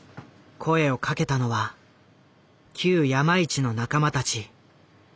声を掛けたのは旧山一の仲間たち。